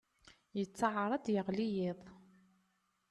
Yettaɛar ad d-yeɣli yiḍ.